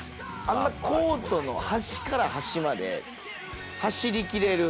あんまりコートの端から端まで、走りきれる。